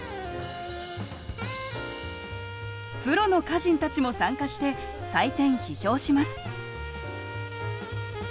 プロの歌人たちも参加して採点批評します。